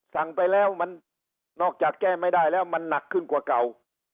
สั่งไปแล้วมันนอกจากแก้ไม่ได้แล้วมันหนักขึ้นกว่าเก่า